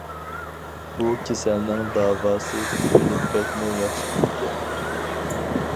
بۇ كېسەلنىڭ داۋاسى تېپىلىپ بەكمۇ ياخشى بوپتۇ.